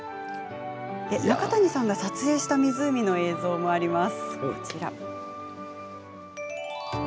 中谷さんが撮影した湖の映像もあります。